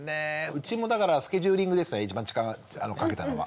うちもだからスケジューリングですね一番時間かけたのが。